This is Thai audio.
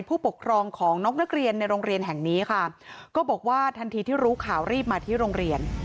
ผู้ปกครองของนกนักเรียนในโรงเรียนแห่งนี้ค่ะก็บอกว่าทันทีที่รู้ข่าวรีบมาที่โรงเรียน